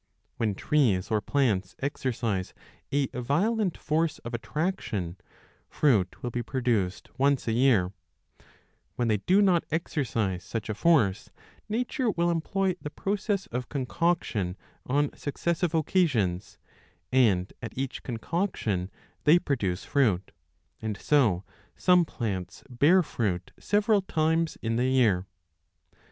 When trees or plants exercise a violent force of attraction, fruit will be 5 produced once a year ; when they do not exercise such a force, nature will employ the process of concoction on successive occasions and at each concoction they produce fruit, and so some plants bear fruit several times in the year.